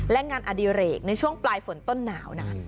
และงานอดิเรกในช่วงปลายฝนต้นหนาวนะ